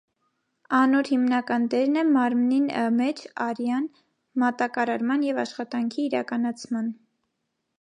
Անոր հիմնական դերն է մարմնին մէջ արեան մատակարարման եւ աշխատանքի իրականացման։